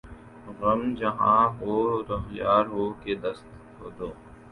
غم جہاں ہو رخ یار ہو کہ دست عدو